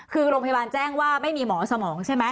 คือโรงพยาบาลแจ้งว่าไม่มีหมอสมองใช่ไหม